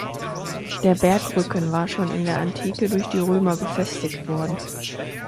Der Bergrücken war schon in der Antike durch die Römer befestigt worden.